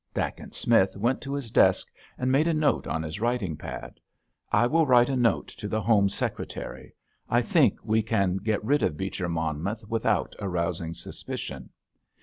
Dacent Smith went to his desk and made a note on his writing pad. "I will write a note to the Home Secretary. I think we can get rid of Beecher Monmouth without arousing suspicion.